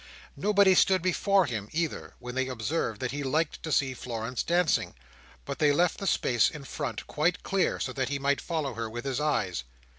Nobody stood before him either, when they observed that he liked to see Florence dancing, but they left the space in front quite clear, so that he might follow her with his eyes.